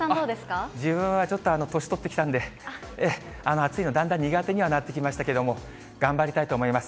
自分はちょっと年取ってきたんで、暑いのだんだん苦手にはなってきましたけど、頑張りたいと思います。